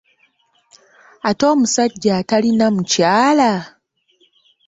Ate omusajja atalina mukyala?